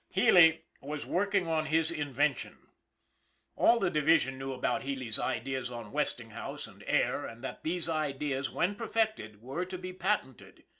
Healy was working on his invention. All the divi sion knew about Healy's ideas on Westinghouse and " air," and that these ideas, when perfected, were to be patented.